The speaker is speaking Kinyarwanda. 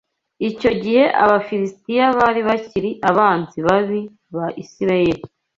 Icyo gihe Abafilisitiya bari bakiri abanzi babi ba Isirayeli